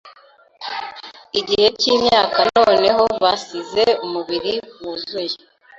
igihe cyimyaka Noneho basize umubiri wuzuye